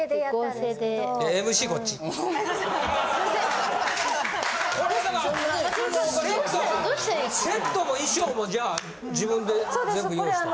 セットも衣装もじゃあ自分で全部用意したの。